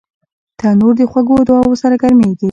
تنور د خوږو دعاوو سره ګرمېږي